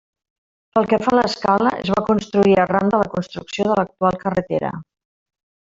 Pel que fa a l'escala, es va construir arran de la construcció de l'actual carretera.